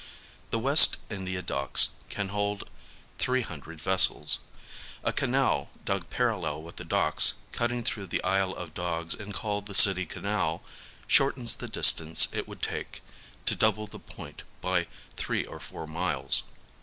The West India Docks can hold three hundred vessels. A canal, dug parallel with the docks, cutting through the Isle of Dogs and called the City Canal, shortens the distance it would take to double the point by three or four miles.